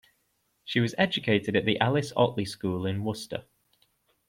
She was educated at The Alice Ottley School in Worcester.